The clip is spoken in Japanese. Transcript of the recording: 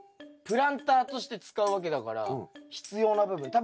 プランターとして使うわけだから必要な部分。